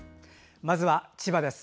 まずは千葉です。